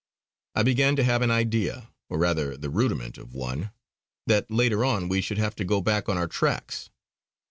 I began to have an idea, or rather the rudiment of one, that later on we should have to go back on our tracks.